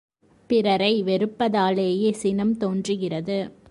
பிறரை வெறுப்பதாலேயே சினம் தோன்றுகிறது.